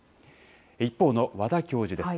一方の和田教授です。